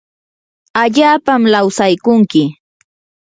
allapam lawsaykunki